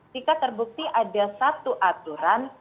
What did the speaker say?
jika terbukti ada satu aturan